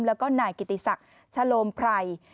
แล้วก็นายกิติศักดิ์ชะโลมไพร